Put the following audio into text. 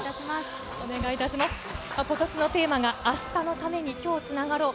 ことしのテーマが、明日のために、今日つながろう。